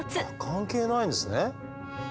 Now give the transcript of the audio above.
関係ないんですね。